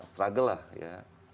struggle lah ya